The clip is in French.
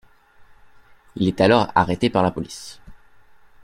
Il est alors arrêté par la Police.